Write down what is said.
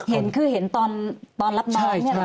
เห็นคือเห็นตอนรับน้อง